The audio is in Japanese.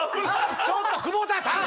ちょっと久保田さん！